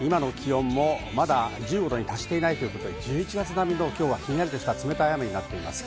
今の気温もまだ１５度に達していないということで１１月並みのきょうはひんやりとした冷たい雨になっています。